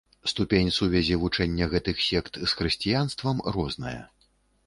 Ступень сувязі вучэння гэтых сект з хрысціянствам розная.